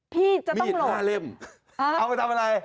พี่จะต้องโหลดมี๕เล่มเอาไปทำอะไร